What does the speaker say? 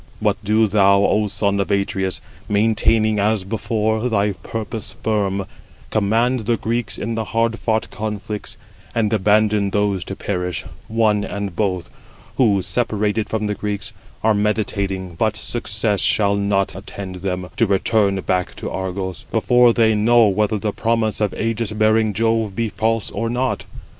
But do thou, O son of Atreus, maintaining, as before, thy purpose firm, command the Greeks in the hard fought conflicts; and abandon those to perish, one and both, 106 who, separated from the Greeks, are meditating [but success shall not attend them] to return back to Argos, before they know whether the promise of ægis bearing Jove be false or not.